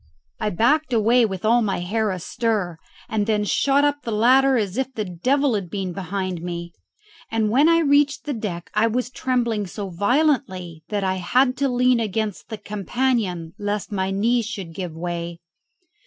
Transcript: I backed away with all my hair astir, and then shot up the ladder as if the devil had been behind me; and when I reached the deck I was trembling so violently that I had to lean against the companion lest my knees should give way.